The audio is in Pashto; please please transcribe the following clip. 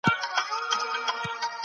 په هرات کي د تولید بهیر څنګه روان دی؟